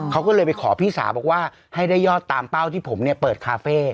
เขาก็เลยไปขอพี่สาวบอกว่าให้ได้ยอดตามเป้าที่ผมเนี่ยเปิดคาเฟ่